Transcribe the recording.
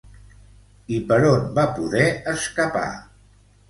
I per on van poder escapar?